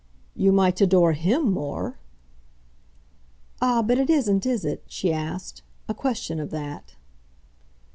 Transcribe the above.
"You might adore HIM more !" "Ah, but it isn't, is it?" she asked, "a question of that."